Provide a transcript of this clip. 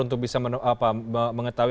untuk bisa mengetahui